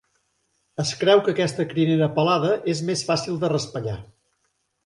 Es creu que aquesta crinera pelada és més fàcil de raspallar.